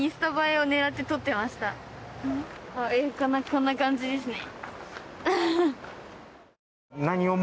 こんな感じですね。